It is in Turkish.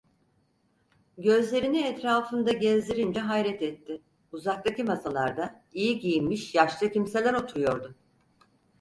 Gözlerini etrafında gezdirince hayret etti: Uzaktaki masalarda iyi giyinmiş yaşlı kimseler oturuyordu.